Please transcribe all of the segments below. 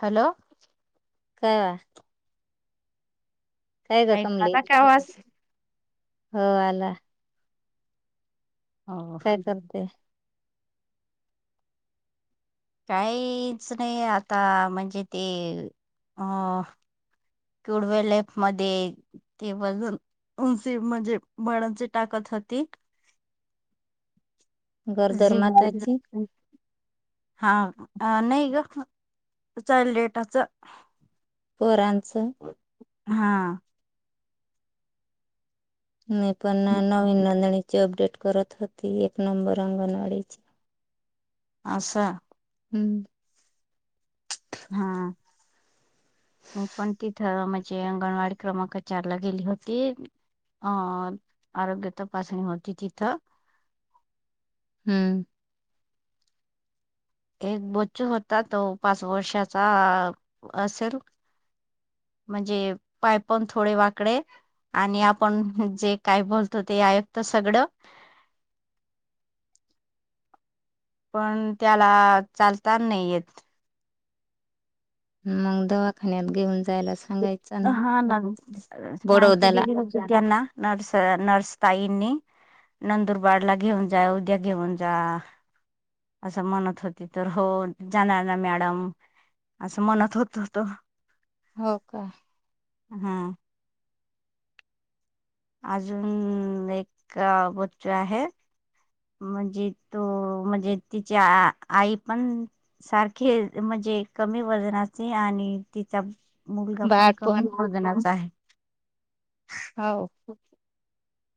Hello! काय वा काय ग ऐकू कमले, आला का आवाज? हो आला. हो काय करते? काहीच नाही आता म्हणजे ते अं [unintelligible] ते वाजून उंची म्हणजे बळांची ताकत होती गरोदर जी ह माताची हा नाही ग चाईल्ड डेटाच फोरांचं हा मी पण नवीन नंदणीची अपडेट करत होती एक नंबर अंगणवाडीची आस? हम्म. हां. मग पण तिथं म्हणजे अंगणवाडी क्रमांक चारला गेली होती. अ आरोग्य तपाचणी होती तिथं. हम्म. एक बच्चू होता तो पाच वर्षाचा असेल. म्हणजे पाय पण थोडे वाकडे आणि आपण जे काय बोलतो ते आयुक्त सगडं. पण त्याला चालता नाही येत. मग दवाखान्यात घेऊन जायला स हा नग माहिती बडोद्याला दिली होती. त्यांना नर्स नर्स ताईंनी नंदुरबारला घेऊन जा उद्या घेऊन जा. असं म्हणत होती तर हो जाणार ना मॅडम. असं मनात होत होतं. हो का. हां. अजून एक बच्चू आहे. म्हणजे तो म्हणजे तिची आ आई पण सारखे म्हणजे कमी वजनाचे आणि तिचा मुलगा पण कमी वजनाचा आहे. हो.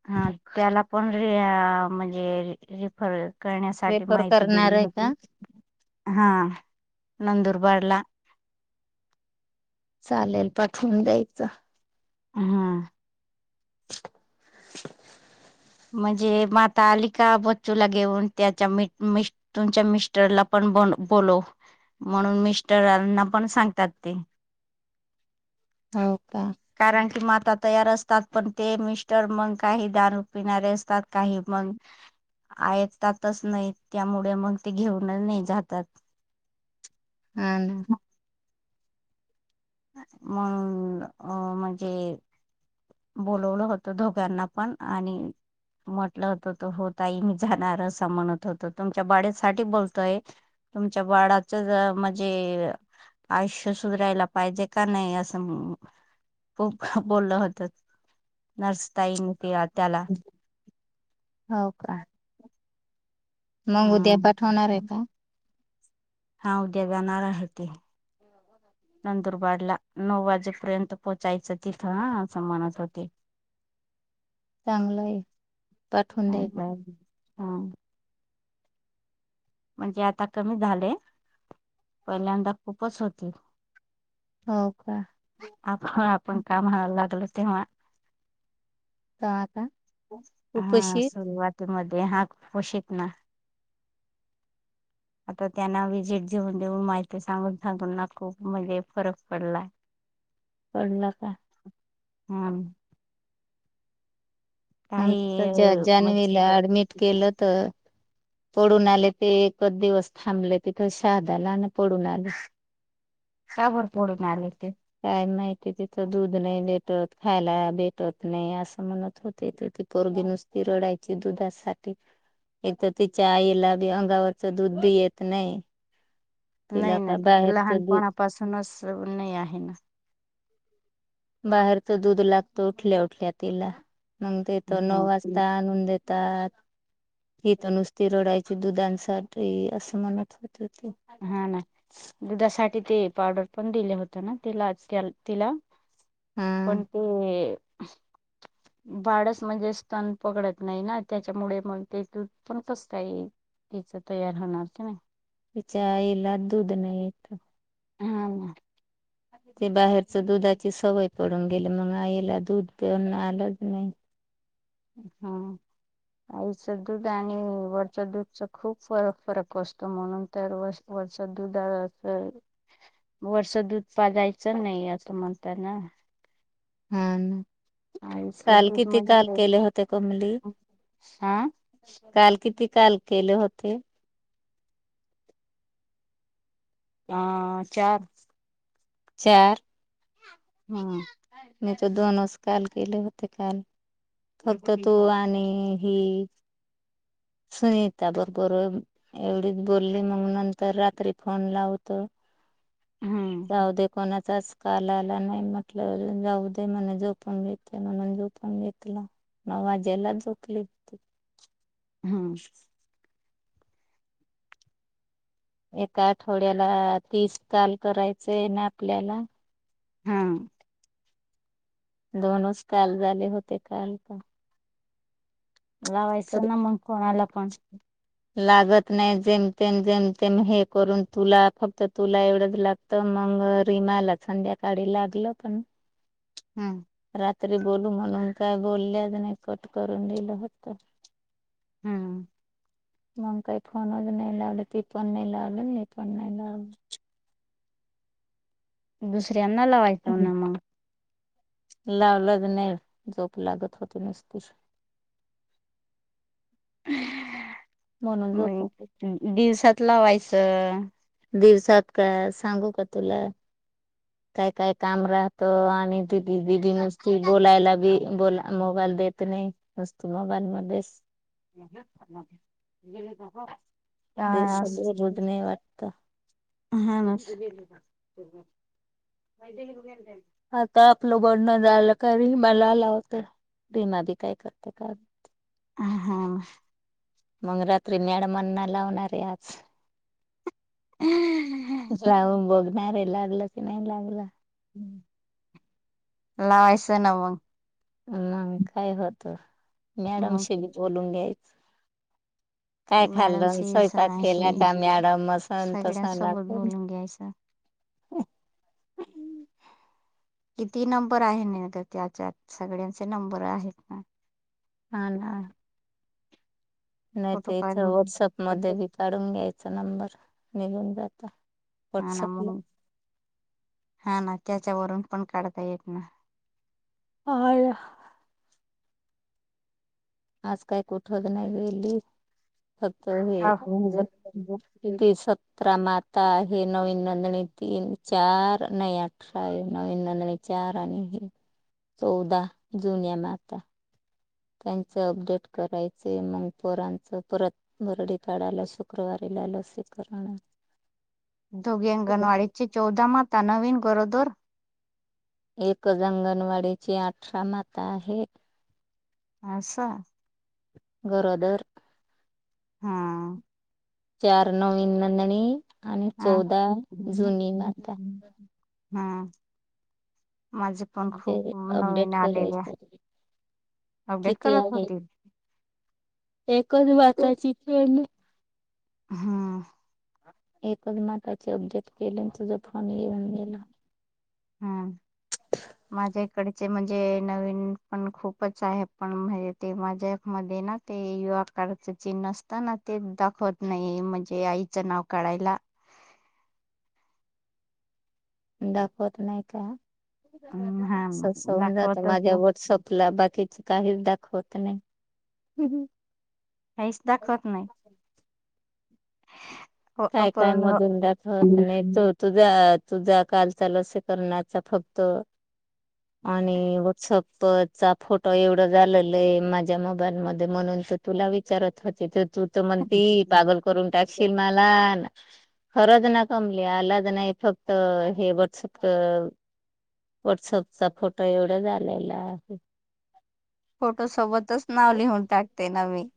हा त्याला पण र म्हणजे रिफर करण्यासाठी रेफर माहिती करणार दिली आहे होती, का हा नंदुरबारला. चालेल पाठवून द्यायचं. हम्म. म्हणजे माता अली का बच्चूला घेऊन त्याच्या मि मिस् तुमच्या मिस्टरला पण ब बोलो म्हणून मिस्टरना पण सांगतात ते हो का कारण की माता तयार असतात पण ते मिस्टर मंग काही दान पिणारे असतात काही पण आहेत तातच नाही त्यामुळे मग ते घेऊन नाही जातात हा ना म्हणून अ म्हणजे बोोलवलं होतं दोघ्यांना पण आणि म्हटलं होतं त हो ताई मी जाणार असं म्हणत होतो तुमच्या बाडसाठीठी बोलतोय तुमच्या बाळाच म्हणजे आयुष्य सुधरायला पाहिजे का नाही असं खूप बोललं होत नर्सतााईन ते त्याला हो का मग उद्या हम्म पाठवणार आहे का हा उद्या जाणारहती नंदुरबारला नऊ वाजेपर्यंत पोहोचायचं तिथं हा असं म्हणत होते. चांगलं आहे पाठवून हं द्यायचं बर हम्म. म्हणजे आता कमी झाले, पहिल्यांदा खूपच होती. हो का. आप आपण काम हयला लागल तेव्हा आता हम्म उपाशी सुरुवात ते मध्ये हाग पोशिक ना आता त्यांना विजिट जेऊन देऊन माहिती सांगून सांगून ना खूप म्हणजे फरक पडलाय पडला का हम्म आम काही त्याच्या म्हणजे जानवेला ऍडमिट केलं तर पडून आले ते एकच दिवस थांबले तिथं शहादाला आणि पडून आले त्यावरर पडून आले ते काय माहितीय तिथं दूध नाही भेटत खायला भेटत नाही असं म्हणत होते त पोरगी नुसती रडायची दुधासाठी एक तर तिच्या आईला बी अंगावरचं दूध बी येत नाही तिला नाही ना का तिथ बाहेरचं दूध लहानपणापासूनच नाही आहे ना बाहेरच दूध लागत उठल्या उठल्या तिला मग तेथ नऊ हम्म वाजता आणून देत त्याात ही तर नुसती रडायची दुधांसाठी असं म्हणत होत होते हा ना दुधासाठी ते पावडर पण दिले होत ना तिला तिला हा कोण ते बाडच म्हणजे स्तन पकडत नाही ना त्याच्यामुळे मग तेथ पण कसत ये तच तयार होणारच ना विच्याईला दूध नाही येत हा ते बाहेरच दुधाची सवय पडून गेले मग आईला दूध पिण आलंच नाही हा आईचं दूध आणि वरच्या दूधच खूपर फरक असतो म्हणून चार वर्ष वरष दूध आचे वर्ष दूध पालायचं नाही असं म्हणतना हा आईचं काल दूध किती काल म्हणजे केले होते कोमली हा काल किती काल केले होते हां चार चार हम्म नाही तो दोनस काल केले होते काल फक्त तू आणि हि सुनीता बरोबर एवढीच बोली मग नंतर रात्री फोन लावत. हम्म जाऊ दे कोणाचाच कालला नाही म्हटलं जाऊ दे म्हणे झोपून घेत म्हणून झोपून घेतल. नऊ वाजेला झोकली. हम्म एका आठवड्याला तीस काल करायचं आहे ना आपल्याला? हा दोनच कॉल झाले होते काल का तर लावायचं ना मग कोणाला पण लागत नाही जेमतेम जेमतेम हे करून तुला फक्त तुला एवढंच लाग तर मग रीमाला संध्याकाळी लागलं पण हम्म रात्री बोलू म्हणून काय बोलल्यात नाही कट करून दिेलं होत. हम्म. मग काही फोनच नाही लावले पी फोन नाही लावले नाही फोन नाही लावल. दुसऱ्या अण् लावायचंो ना मग लावलंच नाही झोप लागत होत नुसतीस म्हणून मग जतो. दिवसात लावायचं. दिवसात का सांगू का तुला? [inaudible] काय काय काम राहतं आणि दीदी दीदी नुसती बोलायला बी बोला मोबाईल देत नाही. वस्तू मोबाईल मध्येच दे काय सगळे असच. रुजणे वाटतं हानस आता आपलं बोलणं झालं का नी मला लावते रिमा बी काय करते का हा हवं. मग रात्री मॅडमाणा लावणारे आज जाऊन बघणार आहे लागलं की नाही लागलं. लावायचं ना मग. म काय होत मॅडम मग शी बी बोलून घ्याय काय खाल्लं मॅडमशी स्यपाात सरांशी केला का? मॅडम असन तसन घ्यायच. किती नंबर आहे न त्याच्यात सगळ्यांचे नंबर आहेत ना. हा ना. नाहीत फोटो याच काढून व्हॉट्सअप मध्ये बी काढून घ्यायचा नंबर निघून जात. हा ना मग हा ना त्याच्यावरून पण काढता येत ना. आया आज काही कुठच नाही गेली फक्त हे. सतरा माता आहे नवीन नंदणी तीन चार नाही आठ. नवीन चार आणि हे आता चौदा जुन्या माता. त्यांच अपडेट करायचे मग पोरांचं परत. वरडी काढायला शुक्रवारीला लसीकरण. दोगे अंगणवाडीची चौदा माता नवीन गरोदर. एक अंगणवाडीची अठरा माता आहे. असं? गरोदर. हा. चार नवीन नंदणी आणि हा चौदा जुनी माता. हा. माझे पण खूप म्हणजे नवीन अपडेट करायच आलेले अपडेट किती करत आहे होतील. एकच बातचीथ हा. एकच नाटाचे अब्जेक्ट केले तुझ फोन इवन गेला. हम्. माझ्या इकडचे म्हणजे नवीन पण खूपच आहे पण म्ह ते माझ्या मध्ये ना ते युवा काचं चिन्ह असतं ना ते दाखवत नाही म्हणजे आई ज नाव काढयला दाखवत नाही हा काात दाखवतच माझ्या नाही व्हट्सअप आपला बाकीच काहीच दाखवत नाही. काहीच दाखवत नाही. हो काय काय आपण मधून दच होत नाही द तुझ्या तुझ्या काल चाल अस करण्याचा फक्त [inaudible] आणि व्हॉट्सअपचा फोटो एवढं झालेलं आहे. माझ्या मोबाईलमध्ये म्हणून तुला विचारत होते. तू तर म्हणती पागल करून टाकशील मला, हा ना खरज ना कमली आलाज नाही फक्त हे व्हाट्सअप. व्हॉट्सअपचा फोटो एवढा झालेला आहे. फोटो सोबतच नाव लिहून टाकते ना‌ मी.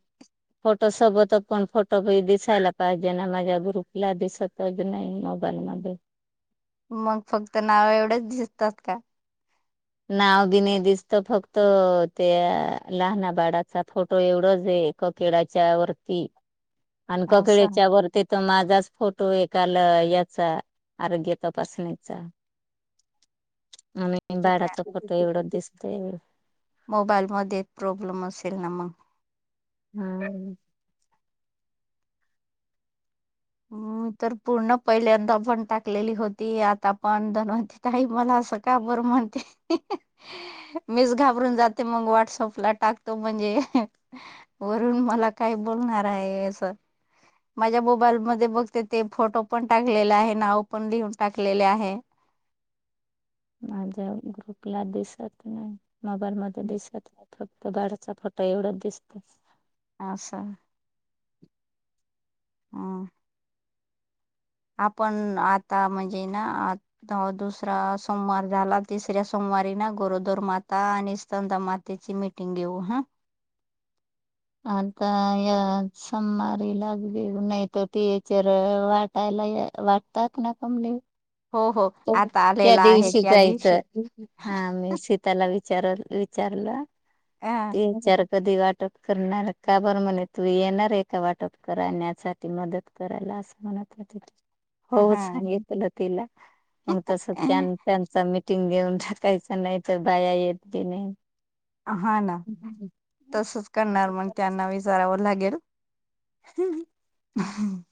फोटो सोबत पण फोटो बी दिसायला पाहिजे, ना माझ्या ग्रुपला दिसत. तज नाही मोबाईल मध्ये. मग फक्त नाव एवढेच दिसतात का, नाव बी नाही दिसत फक्त त्या लहाना बाडाचा फोटो एवढंच ये. केला च्या वरती. [inaudible] आणि असं ककळीच्या वरती. त्यांना माझाच फोटो एकाला याचा आरोग्य तपासण्याचा. आणि तुझ्या बाडाचा फोटो एवढो दिसतो. मोबाईलमध्ये प्रॉब्लेम असेल ना मग, हम्म. तर पूर्ण पहिल्यांदा पण टाकलेली होती. आता पण दनवती. काही मला असं का बरं म्हणते. मीच घाबरून जाते, मग व्हाॅट्सअपला टाकतो म्हणजे. वरून मला काय बोलणार आहे. अस माझ्या मोबाईल म बघते ते फोटो पण टाकलेले आहे. नाव पण लिहून टाकलेले आहे. माझ्या ग्रुपला दिसत नाही. मोबाईल मध्ये दिसत आहे. फक्त बाडचा फोटो एवढाच दिसतो. हा असं हा. आपण आता म्हणजे ना, दुसरा सोमवार झाला. तिसऱ्या सोमवारी ना, गरोदर माता आणि स्तंद मातेची मिटिं टिंग घेऊ ह. आता या समारी लाग बे नाही तर ते टिचर वाट. त्यायला वाटतात ना कमली. हो हो आता त्या आलेला आहे दिवशी त्या दिवशी जायचं, हा मीशित त्याला विचार विचारलं अ ते विचार. कधी वाटप करणार, का‌ बर म्हणे तू येणार एका वाटप करण्याचा. मदत करायला असं म्हणत होती. [inaudible] हो सांगितलेलं तिला. मग तसं त्यां त्यांच मीटिंग घेऊन टाकायचं, नाही तर बाया येत बी नाही. हा ना, तसच करणार मग त्यांना विचारावं लागेल. हम्म. [unintelligible]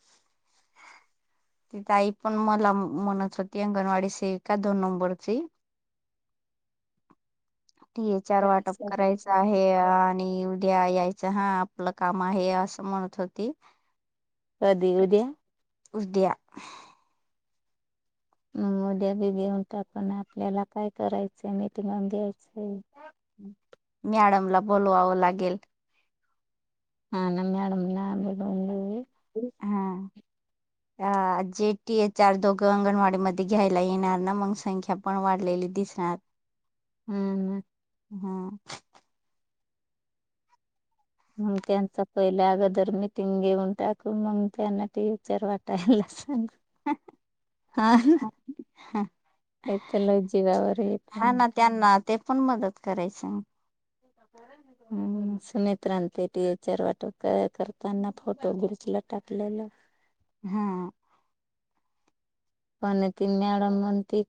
तिथं आई पण मला म्हणत होती. अंगणवाडी सिक दोन नंबरची. टी चार वाटप करायचं. आहे आणि उद्या यायचं हा, आपलं काम आहे असं म्हणत होती. कधी उद्या. उद्या. मद्याबी घेऊन टाकून आपल्याला काय करायचं, मीठ बून द्यायचे. मॅडमला बोलवावं लागेल. हा नम मॅडम ना [unintelligible] हा. अ जेटी एचार दोघं अंगणवाडीमध्ये घ्यायला येणार ना मग संख्या पण वाढलेली दिसणार हा हम मग त्यांचा पहिल्या अगोदर मिीटिंग घेऊन टाकून मग त्यांना टी व्ही वाटायला सांग हाथ लो जिगवरर येत हा ना त्यांना ते पण मदत करायचं हम्. सुमित्रांते टी एचार वाटो करताना फोटो घिचलं टाकलेलं. हा. पण तीन्याड म्ह त